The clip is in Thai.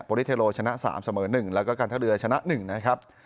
โบริเทโรชนะสามเสมอหนึ่งแล้วก็การท่าเรือชนะหนึ่งนะครับ